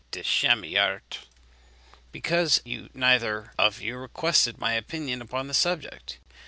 de Chamillart, because you neither of you requested my opinion upon the subject.